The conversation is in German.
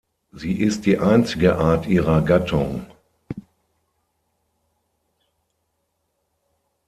Sie ist die einzige Art ihrer Gattung.